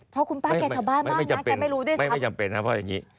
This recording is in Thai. เพราะคุณป้าแกชาวบ้านมากนะแกไม่รู้ด้วยซ้ำไม่จำเป็นครับเพราะอย่างนี้